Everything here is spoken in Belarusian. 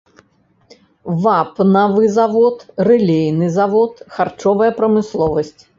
Вапнавы завод, рэлейны завод, харчовая прамысловасць.